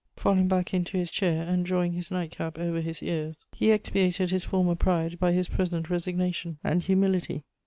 Falling back into his chair, and drawing his night cap over his ears, he expiated his former pride by his present resignation and humility.